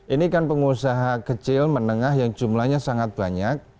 ini kan pengusaha kecil menengah yang jumlahnya sangat banyak